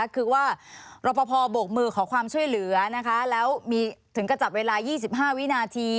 คือว่ารอปภโบกมือขอความช่วยเหลือนะคะแล้วมีถึงกระจับเวลา๒๕วินาที